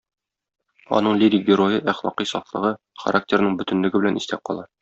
Аның лирик герое әхлакый сафлыгы, характерының бөтенлеге белән истә кала.